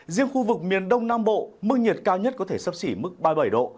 riêng khu vực miền đông nam bộ mức nhiệt cao nhất có thể sấp xỉ mức ba mươi bảy độ